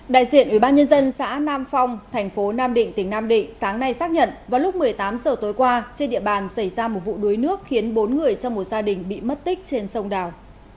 đại diện ubnd xã nam phong thành phố nam định tỉnh nam định sáng nay xác nhận vào lúc một mươi tám h tối qua trên địa bàn xảy ra một vụ đuối nước khiến bốn người trong một gia đình bị mất tích trên sông đào